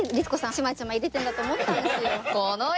ちまちま入れてるんだと思ったんですよ。